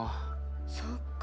そっか。